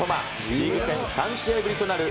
リーグ戦３試合ぶりとなる